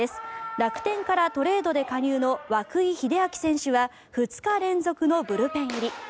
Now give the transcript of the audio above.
楽天からトレードで加入の涌井秀章選手は２日連続のブルペン入り。